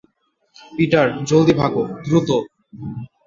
Peter, জলদি ভাগো, দ্রুত!